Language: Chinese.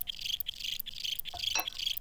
靡不有初鲜克有终